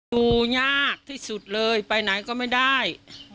ปูยากที่สุดเลยไปไหนก็ไม่ได้